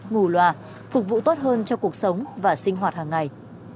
ngủ loà phục vụ tốt hơn cho cuộc sống và sinh hoạt hàng ngày